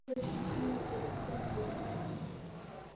Suele poner de dos a cinco huevos, con un promedio de tres.